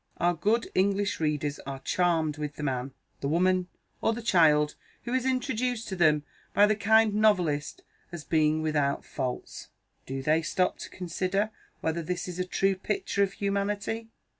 Our good English readers are charmed with the man, the woman, or the child, who is introduced to them by the kind novelist as a being without faults. Do they stop to consider whether this is a true picture of humanity?